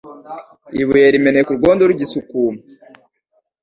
Ibuye rimeneka urwondo rugisukuma